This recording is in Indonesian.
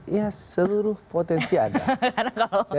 ya seluruh potensi ada